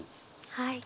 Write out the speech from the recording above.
はい。